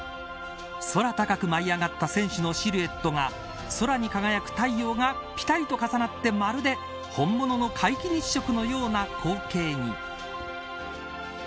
空高く舞い上がった選手のシルエットが空に輝く太陽がぴたりと重なってまるで本物の皆既日食のような光景に。